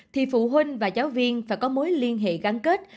thì phụ huynh và giáo viên phải có mối liên hệ gắn kết